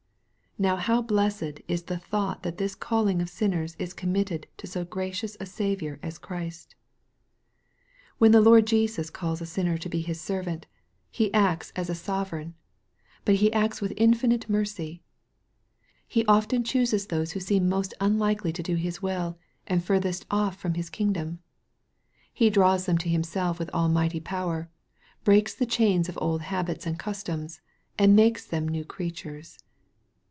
Now how blessed is the thought that this calling of sin ners is committed to so gracious a Saviour as Christ ! When the Lord Jesus calls a sinner to be His servant. 32 EXPOSITORY THOUGHTS. He acts as a Sovereign ; but He acts with infinite mercy. He often chooses those who seem most unlikely to do His will, and furthest off from His kingdom. He draws them to Himself with almighty power, breaks the chains of old habits and customs, and makes them new creatures.